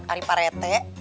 hari pak rete